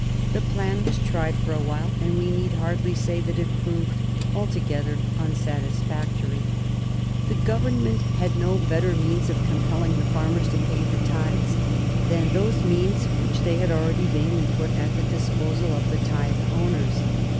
The plan was tried for a while, and we need hardly say that it proved altogether unsatisfactory. The Government had no better means of compelling the farmers to pay the tithes than those means which they had already vainly put at the disposal of the tithe owners.